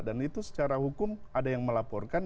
dan itu secara hukum ada yang melaporkan